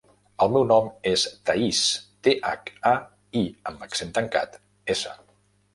El meu nom és Thaís: te, hac, a, i amb accent tancat, essa.